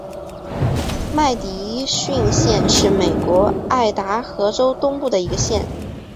麦迪逊县是美国爱达荷州东部的一个县。